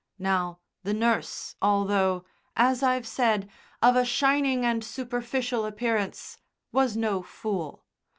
Now, the nurse, although, as I've said, of a shining and superficial appearance, was no fool.